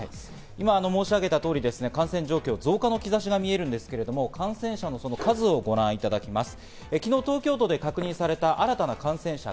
今、申し上げた通り、感染状況を増加の兆しが見えるんですけれども、感染者の数をご覧いただきます。